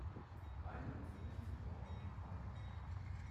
Beine und Füße sind orangebraun.